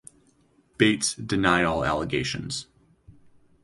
Bates denied all allegations.